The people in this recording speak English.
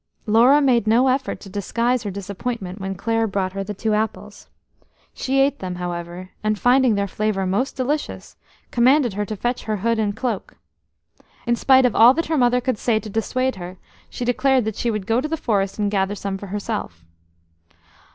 Laura made no effort to disguise her disappointment when Clare brought her the two apples. She ate them, however, and finding their flavour most delicious, commanded her to fetch her hood and cloak. In spite of all that her mother could say to dissuade her, she declared that she would go to the forest and gather some for herself.